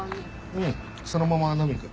うんそのまま飲みに行く。